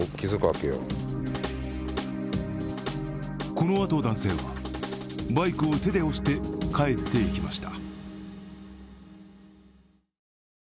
このあと男性は、バイクを手で押して帰っていきました。